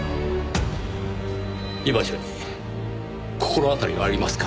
居場所に心当たりはありますか？